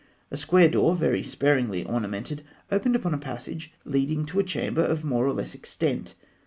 A square door, very sparingly ornamented, opened upon a passage leading to a chamber of more or less extent.